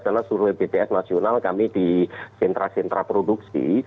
karena survei wbts nasional kami di sentra sentra produksi